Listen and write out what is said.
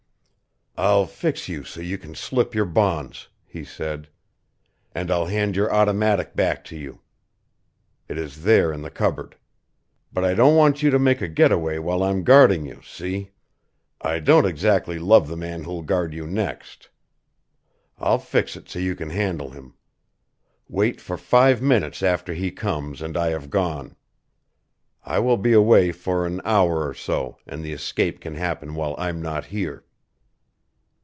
"I'll fix you so you can slip your bonds," he said, "and I'll hand your automatic back to you. It is there in the cupboard. But I don't want you to make a get away while I'm guarding you see? I don't exactly love the man who'll guard you next. I'll fix it so you can handle him. Wait for five minutes after he comes and I have gone. I will be away for an hour or so, and the escape can happen while I'm not here."